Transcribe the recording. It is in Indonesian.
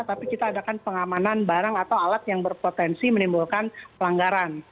tapi kita adakan pengamanan barang atau alat yang berpotensi menimbulkan pelanggaran